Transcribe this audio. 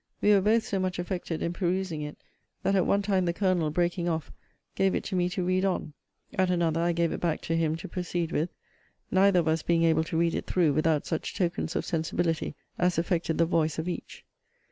We were both so much affected in perusing it, that at one time the Colonel, breaking off, gave it to me to read on; at another I gave it back to him to proceed with; neither of us being able to read it through without such tokens of sensibility as affected the voice of each.